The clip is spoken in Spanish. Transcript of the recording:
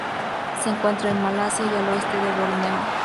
Se encuentra en Malasia y al oeste de Borneo.